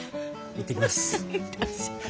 行ってきます。